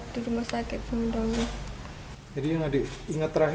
dewasa di lingkungan cepat